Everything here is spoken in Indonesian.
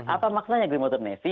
apa maksudnya green water navy